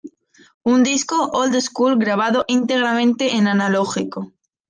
Un disco old school grabado íntegramente en analógico.